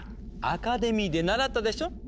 アカデミーで習ったでしょ？